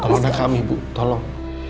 tolong deh kami ibu tolong